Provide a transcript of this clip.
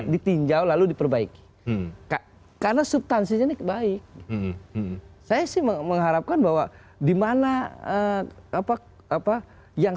ditinjau lalu diperbaiki karena subtansinya ini baik saya sih mengharapkan bahwa dimana apa apa yang